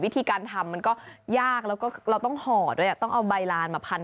วิธีการทำมันก็ยากแล้วก็เราต้องห่อด้วยต้องเอาใบลานมาพัน